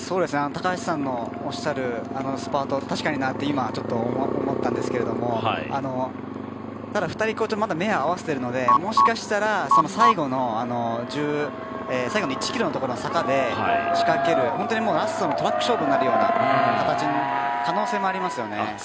高橋さんのおっしゃるスパートは、確かになと今、思ったんですがただ、２人、まだ目を合わせてるので最後の１ｋｍのところの坂で仕掛ける本当にラストのトラック勝負になるような可能性もありますよね。